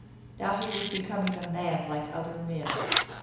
Now he was becom ing a man like other men.